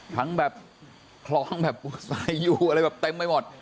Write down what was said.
ทั้งแบบคลองแบบสายยูอะไรแบบเต็มไปหมด